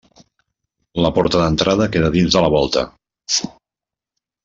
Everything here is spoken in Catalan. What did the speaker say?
La porta d'entrada queda dins de la volta.